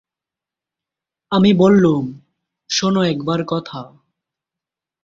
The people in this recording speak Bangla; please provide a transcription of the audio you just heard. আমি বললুম, শোনো একবার কথা।